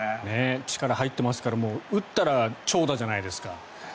力が入っていますから打ったら長打じゃないですか。